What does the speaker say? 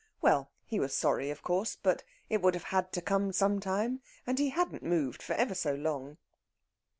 Well, he was sorry of course, but it would have had to come, some time. And he hadn't moved for ever so long!